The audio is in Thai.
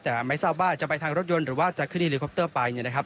แต่ไม่สาวบ้าจะไปทางรถยนต์หรือว่าจะขึ้นที่แฮร์คอปเตอร์ไปนะครับ